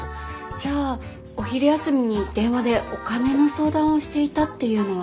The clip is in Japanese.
じゃあお昼休みに電話でお金の相談をしていたっていうのは？